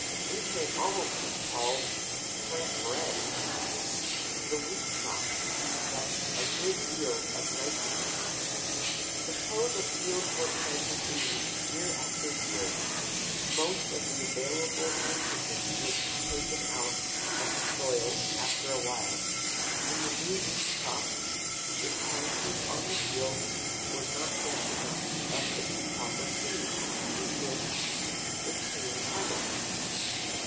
It may almost be called plant bread. The wheat crop uses up a good deal of nitrogen. Suppose a field were planted in wheat year after year. Most of the available nitrogen would be taken out of the soil after a while, and a new wheat crop, if planted on the field, would not get enough of its proper food to yield a paying harvest.